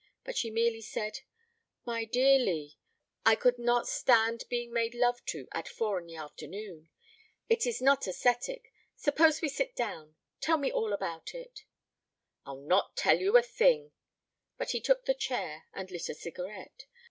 But she merely said: "My dear Lee, I could not stand being made love to at four in the afternoon. It is not aesthetic. Suppose we sit down. Tell me all about it." "I'll not tell you a thing." But he took the chair and lit a cigarette.